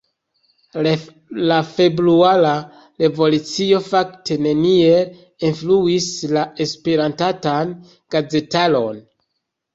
La februara revolucio fakte neniel influis la Esperantan gazetaron.